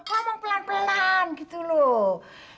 ngomong pelan pelan gitu loh